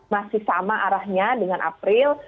masih sama arahnya dengan april